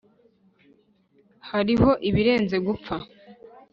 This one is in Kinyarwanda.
hariho ibirenze gupfa;